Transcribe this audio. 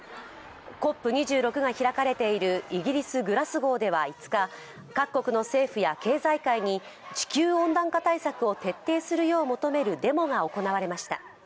ＣＯＰ２６が開かれているイギリス・グラスゴーでは５日、各国の政府や経済界に地球温暖化対策を徹底するよう求めるデモが行われました。